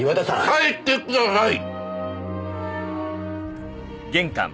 帰ってください！